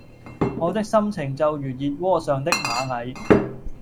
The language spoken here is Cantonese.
我的心情就如熱窩上的螞蟻